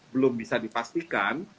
belum bisa dipastikan